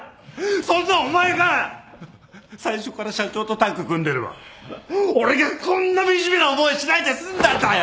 そんなお前が最初から社長とタッグ組んでれば俺がこんな惨めな思いしないで済んだんだよ！